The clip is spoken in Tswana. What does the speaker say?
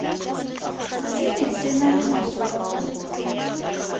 Se ne se na le mosola tota.